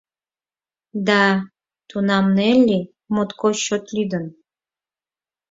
Да, тунам Нелли моткоч чот лӱдын.